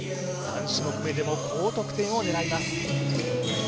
３種目目でも高得点を狙います